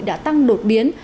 đã tăng đột biến